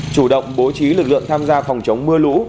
chủ động bố trí lực lượng tham gia phòng chống mưa lũ